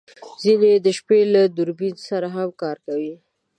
ځینې یې د شپې له دوربین سره هم کار کوي